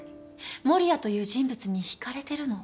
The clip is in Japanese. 守谷という人物に引かれてるの。